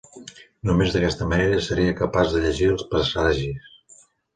Només d'aquesta manera seria capaç de llegir els presagis.